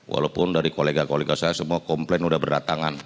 walaupun dari kolega kolega saya semua komplain udah berdatangan